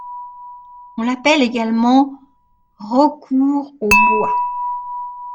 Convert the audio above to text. On l'appelle également Rocourt-au-Bois.